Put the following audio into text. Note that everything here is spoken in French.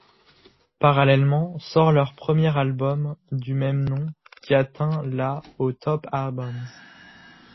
Parallèlement, sort leur premier album, du même nom, qui atteint la au Top Albums.